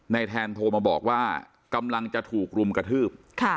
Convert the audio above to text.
แทนโทรมาบอกว่ากำลังจะถูกรุมกระทืบ